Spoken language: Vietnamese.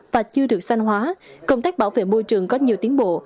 và chưa được xanh hóa công tác bảo vệ môi trường có nhiều tiến bộ